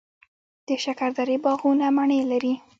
د شکردرې باغونه مڼې لري.